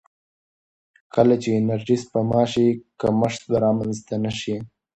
کله چې انرژي سپما شي، کمښت به رامنځته نه شي.